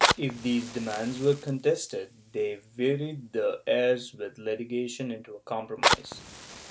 If these demands were contested, "they wearied the heirs with liti gation into a compromise.